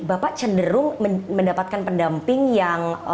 bapak cenderung mendapatkan pendamping yang